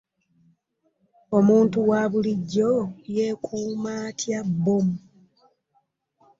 Omuntu wabulijjo yeekume atya bbomu?